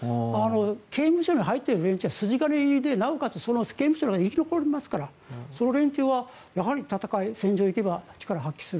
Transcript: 刑務所に入っている連中は筋金入りでなおかつ刑務所の中で生き残りますからその連中は戦い、戦場に行けば力を発揮する。